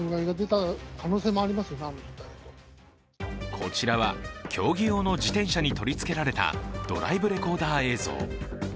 こちらは競技用の自転車に取りつけられたドライブレコーダー映像。